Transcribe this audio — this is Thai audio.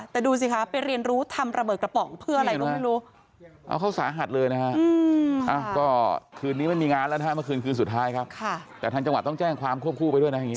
แต่ดูสิคะไปเรียนรู้ทำระเบิดกระป๋องเพื่ออะไรก็ไม่รู้